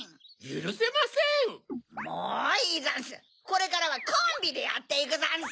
これからはコンビでやっていくざんす！